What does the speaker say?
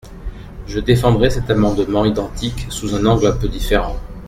Je défendrai cet amendement identique sous un angle un peu différent.